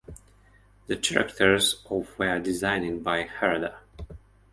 The characters of were designed by Harada.